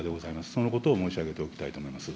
そのことを申し上げておきたいと思います。